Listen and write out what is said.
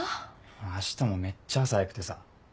明日もめっちゃ朝早くてさ。